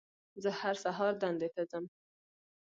زه هر سهار دندې ته ځم